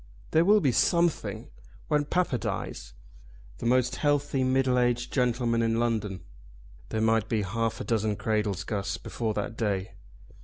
"There will be something when papa dies." "The most healthy middle aged gentleman in London! There might be half a dozen cradles, Guss, before that day.